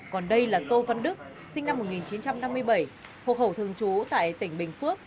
còn đây là tô văn đức sinh năm một nghìn chín trăm năm mươi bảy hộ khẩu thường trú tại tỉnh bình phước